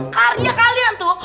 karya kalian tuh